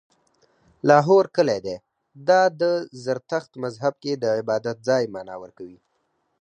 لاهور کلی دی، دا د زرتښت مذهب کې د عبادت ځای معنا ورکوي